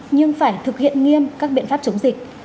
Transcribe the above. nhưng phải thực hiện nghiêm các biện pháp chống dịch